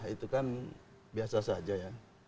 itu kan biasa saja ya